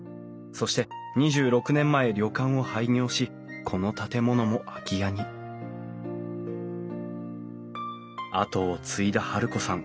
そして２６年前旅館を廃業しこの建物も空き家に跡を継いだ治子さん。